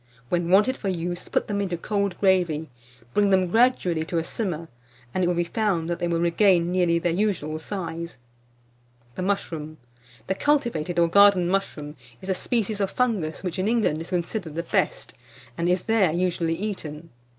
When wanted for use, put them into cold gravy, bring them gradually to simmer, and it will be found that they will regain nearly their usual size. [Illustration: THE MUSHROOM.] THE MUSHROOM. The cultivated or garden mushroom is a species of fungus, which, in England, is considered the best, and is there usually eaten.